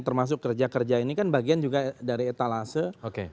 termasuk kerja kerja ini kan bagian juga dari etalase